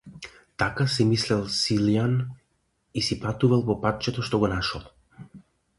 Така си мислел Силјан и си патувал по патчето што го нашол.